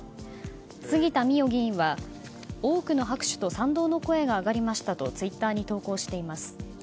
杉田水脈議員は多くの拍手と賛同の声が上がりましたとツイッターに投稿しています。